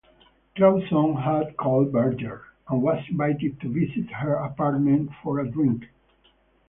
Clawson had called Berger and was invited to visit her apartment for a drink.